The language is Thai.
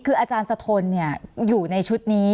คืออาจารย์สะทนอยู่ในชุดนี้